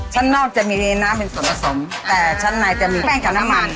ชั้นนอกจะมีน้ำเป็นส่วนผสมแต่ชั้นในจะมีแป้งกับน้ำมัน